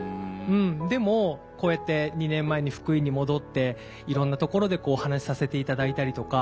でもこうやって２年前に福井に戻っていろんなところでお話しさせて頂いたりとか。